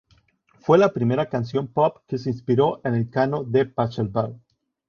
Fue la primera canción pop que se inspiró en el Canon de Pachelbel.